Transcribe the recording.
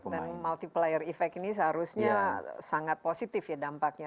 dan multiplier effect ini seharusnya sangat positif ya dampaknya